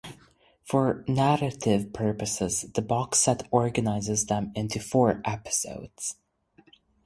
For narrative purposes the box set organizes them into four "episodes".